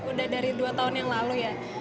udah dari dua tahun yang lalu ya